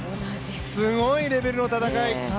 すごいレベルの戦い。